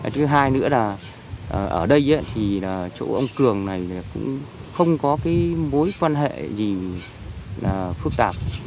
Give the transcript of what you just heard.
thứ hai nữa là ở đây thì chỗ ông cường này cũng không có mối quan hệ gì phức tạp